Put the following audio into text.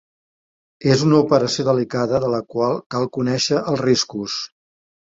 És una operació delicada de la qual cal conèixer els riscos.